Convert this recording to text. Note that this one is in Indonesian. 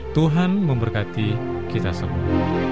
tuhan memberkati kita semua